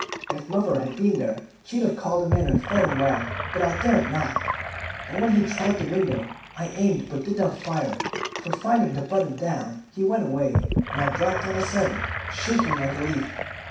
If mother had been there, she'd have called him in and fed him well, but I dared not, and when he tried the window I aimed, but did not fire; for finding the button down he went away, and I dropped on the settle, shaking like a leaf.